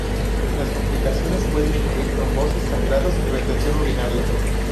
Las complicaciones pueden incluir trombosis, sangrados y retención urinaria.